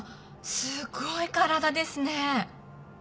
すごい体ですね。